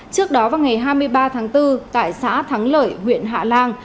trước đó vào ngày hai mươi ba tháng bốn tại xã thắng lợi huyện hạ lan